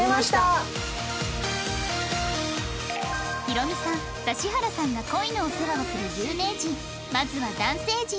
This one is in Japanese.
ヒロミさん指原さんが恋のお世話をする有名人まずは男性陣